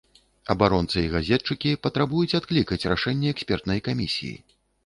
Абаронцы і газетчыкі патрабуюць адклікаць рашэнне экспертнай камісіі.